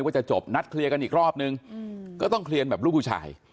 ก็จะจบนัดเคลียร์กันอีกรอบนึงก็ต้องเคลียร์แบบลูกผู้ชาย